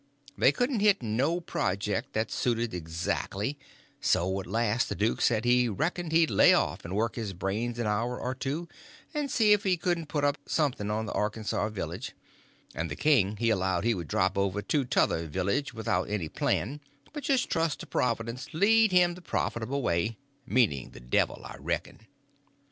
They couldn't hit no project that suited exactly; so at last the duke said he reckoned he'd lay off and work his brains an hour or two and see if he couldn't put up something on the Arkansaw village; and the king he allowed he would drop over to t'other village without any plan, but just trust in Providence to lead him the profitable way—meaning the devil, I reckon.